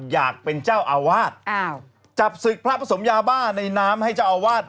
อยากเป็นเจ้าอาวาสอ้าวจับศึกพระผสมยาบ้าในน้ำให้เจ้าอาวาส